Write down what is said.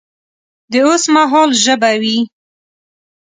د اوس مهال ژبه وي